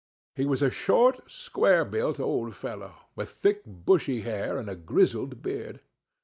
He was a short square built old fellow, with thick bushy hair, and a grizzled beard.